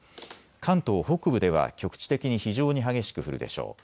関東北部では局地的に非常に激しく降るでしょう。